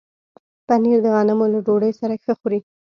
پنېر د غنمو له ډوډۍ سره ښه خوري.